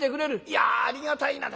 いやありがたいな」。